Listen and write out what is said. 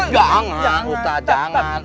jangan ustadz jangan